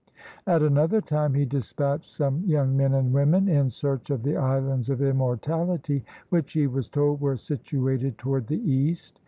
At another time he dispatched some young men and women in search of the islands of immortahty, which he was told were situated toward the east.